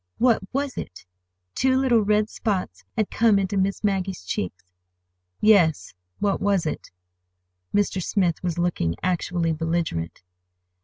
"What was it?" Two little red spots had come into Miss Maggie's cheeks. "Yes, what was it?" Mr. Smith was looking actually belligerent.